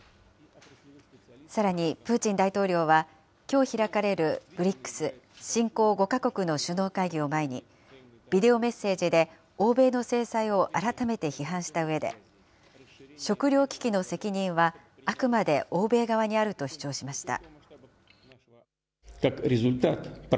さらにプーチン大統領は、きょう開かれるＢＲＩＣＳ・新興５か国の首脳会議を前に、ビデオメッセージで欧米の制裁を改めて批判したうえで、食料危機の責任はあくまで欧米側にあると主張しました。